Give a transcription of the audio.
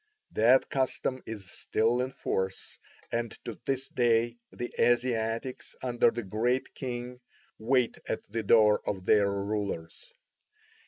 That custom is still in force, and to this day the Asiatics under the Great King wait at the door of their rulers.